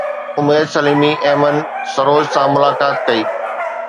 عمير سليمي ايمن سروش سان ملاقات ڪئي